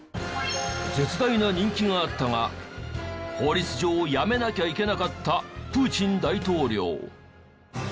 絶大な人気があったが法律上辞めなきゃいけなかったプーチン大統領。